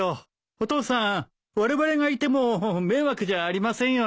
お父さんわれわれがいても迷惑じゃありませんよね？